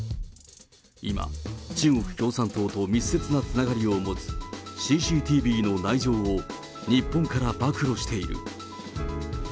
今、中国共産党と密接なつながりを持つＣＣＴＶの内情を日本から暴露している。